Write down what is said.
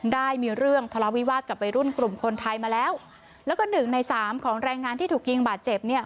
ได้มีเรื่องทะเลาวิวาสกับวัยรุ่นกลุ่มคนไทยมาแล้วแล้วก็หนึ่งในสามของแรงงานที่ถูกยิงบาดเจ็บเนี่ย